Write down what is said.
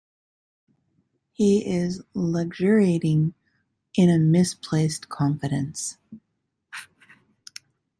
He is luxuriating in a misplaced confidence.